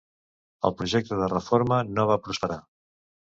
El projecte de reforma no va prosperar.